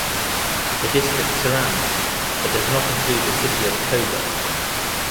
The district surrounds, but does not include the city of Coburg.